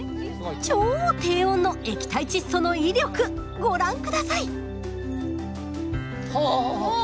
超低温の液体窒素の威力ご覧下さい！